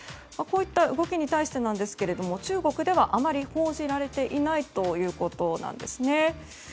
こういった動きに対してなんですけれども中国ではあまり報じられていないということなんですね。